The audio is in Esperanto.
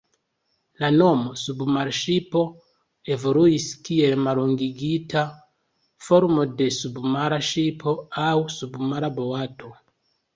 La nomo "submarŝipo" evoluis kiel mallongigita formo de "submara ŝipo" aŭ "submara boato".